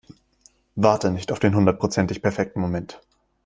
Warte nicht auf den hundertprozentig perfekten Moment.